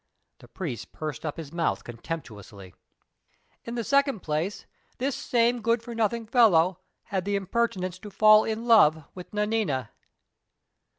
The priest pursed up his mouth contemptuously. "In the second place, this same good for nothing fellow had the impertinence to fall in love with Nanina."